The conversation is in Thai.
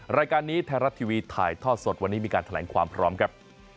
รายการนี้ไทยรัฐทีวีถ่ายทอดสดวันนี้มีการแถลงความพร้อมครับ